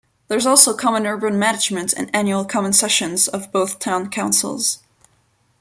There is also common urban management and annual common sessions of both town councils.